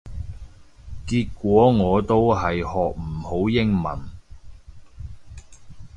結果我都係學唔好英文